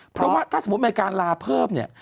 เพราะว่าถ้าสมมุติอเมริกาลาเพิ่มเนี่ย